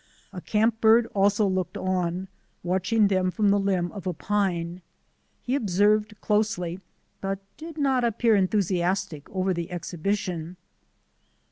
A camp bird also looked on, watching them from the limb of a pine. He observed closely, but did not appear enthusiastic over the exhibition.